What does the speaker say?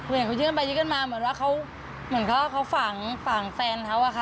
เหมือนอย่างเขายื้อกันไปยื้อกันมาเหมือนว่าเขาฝ่างแฟนเขาอ่ะค่ะ